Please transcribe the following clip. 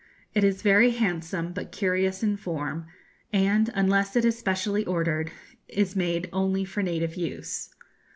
It is very handsome, but curious in form, and, unless it is specially ordered, is made only for native use.